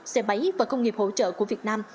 xe máy và công nghiệp hỗ trợ của việt nam